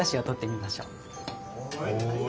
はい。